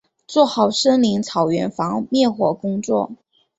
做好森林草原防灭火工作